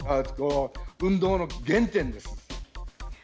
運動の原点です。